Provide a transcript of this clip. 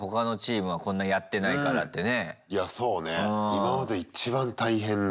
今まで一番大変な。